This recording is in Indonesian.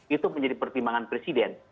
itu menjadi pertimbangan presiden